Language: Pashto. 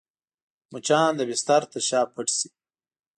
مچان د بستر تر شا پټ شي